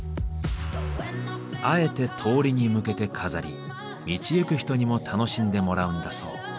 あえて通りに向けて飾り道行く人にも楽しんでもらうんだそう。